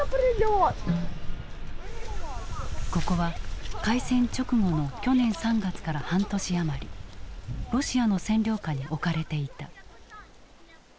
ここは開戦直後の去年３月から半年余りロシアの占領下に置かれていた。